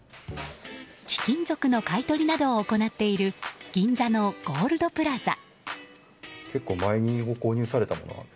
貴金属の買い取りなどを行っている銀座のゴールドプラザ。